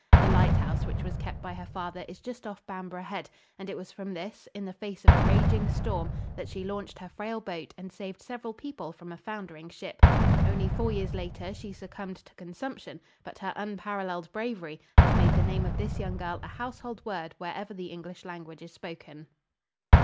The lighthouse which was kept by her father is just off Bamborough Head, and it was from this, in the face of a raging storm, that she launched her frail boat and saved several people from a foundering ship. Only four years later she succumbed to consumption, but her unparalleled bravery has made the name of this young girl a household word wherever the English language is spoken.